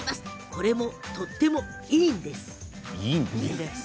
これもとっても、いいんです。